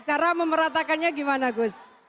cara memeratakannya gimana gus